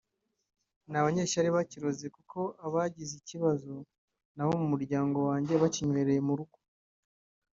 "Ni abanyeshyari bakiroze kuko abagize ikibozo ni abo muryango wanjye bakinywereye mu rugo